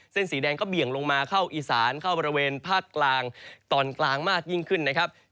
สีแดงก็เบี่ยงลงมาเข้าอีสานเข้าบริเวณภาคกลางตอนกลางมากยิ่งขึ้นนะครับ